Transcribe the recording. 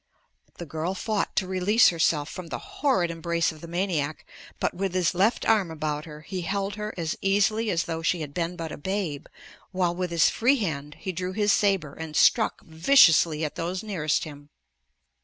The girl fought to release herself from the horrid embrace of the maniac, but with his left arm about her he held her as easily as though she had been but a babe, while with his free hand he drew his saber and struck viciously at those nearest him.